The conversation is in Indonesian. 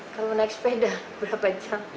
kalau naik sepeda berapa jam